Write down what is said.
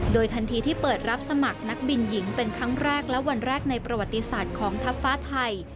โดยทันทีที่เปิดรับสมัครนักบินหญิงเป็นครั้งแรกและวันแรกในประวัติศาสตร์ของทัพฟ้าไทย